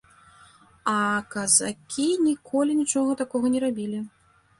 А казакі ніколі нічога такога не рабілі.